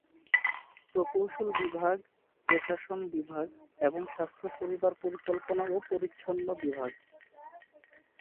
প্রকৌশল বিভাগ, প্রশাসন বিভাগ এবং স্বাস্থ্য পরিবার পরিকল্পনা ও পরিচ্ছন্ন বিভাগ।